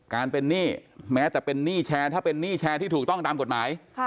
การเป็นหนี้แชร์ถ้าเป็นหนี้แชร์ที่ถูกต้องตามกฎหมาย